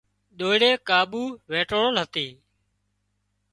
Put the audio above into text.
ۮوئيڙي ڪاٻو وينٽوۯل هتي